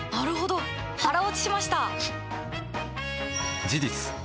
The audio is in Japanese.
腹落ちしました！